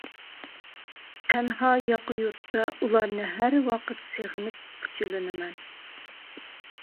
تەنھا ياقا-يۇرتتا ئۇلارنى ھەر ۋاقىت سېغىپ پۇچىلىنىمەن.